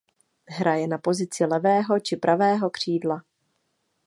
Hraje na pozici levého či pravého křídla.